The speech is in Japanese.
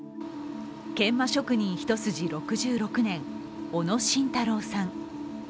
研磨職人一筋６６年、小野信太郎さん